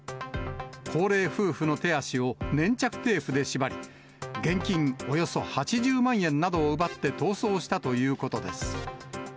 高齢夫婦の手足を粘着テープで縛り、現金およそ８０万円などを奪って逃走したということです。